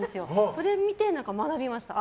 それ見て、学びました。